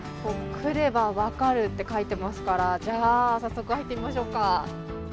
くればわかる！って書いてありますからじゃ、早速入ってみましょうか。